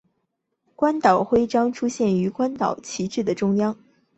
关岛徽章出现于关岛旗帜的中央。